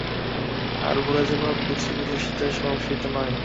আর ভুলে-যাওয়া বুঝি পুরুষদের স্বভাবসিদ্ধ নয়?